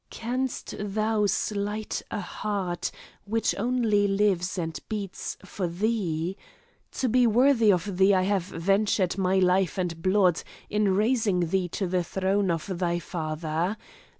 Can'st thou slight a heart which only lives and beats for thee? To be worthy of thee I have ventured my life and blood in raising thee to the throne of thy father.